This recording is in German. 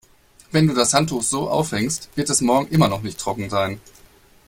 Wenn du das Handtuch so aufhängst, wird es morgen immer noch nicht trocken sein.